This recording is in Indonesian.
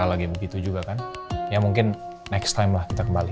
kalau lagi begitu juga kan ya mungkin next time lah kita kembali